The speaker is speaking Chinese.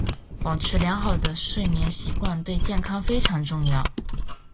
保持良好的睡眠习惯对健康非常重要。